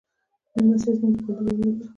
میلمستیا زموږ د کلتور یوه لویه برخه ده.